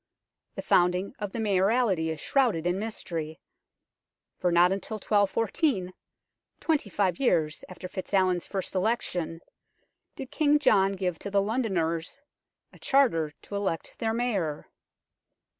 The founding of the Mayoralty is shrouded in mystery, for not until 1214, twenty five years after FitzAlwin's first election, did King John give to the Londoners a charter to elect their Mayor.